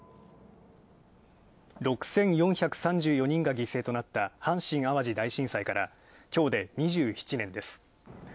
６４３４人が犠牲となった阪神・淡路大震災から、きょうで２７年です。